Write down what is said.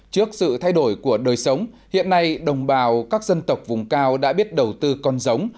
trước sự thay đổi của đời sống hiện nay đồng bào các dân tộc vùng cao đã biết đầu tư con giống